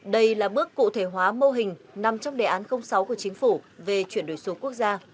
đây là bước cụ thể hóa mô hình nằm trong đề án sáu của chính phủ về chuyển đổi số quốc gia